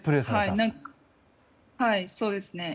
はい、そうですね。